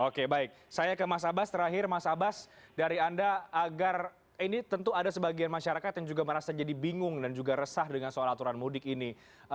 oke baik saya ke mas abas terakhir mas abas dari anda agar ini tentu ada sebagian masyarakat yang juga merasa jadi bingung dan juga resah dengan soal aturan mudik ini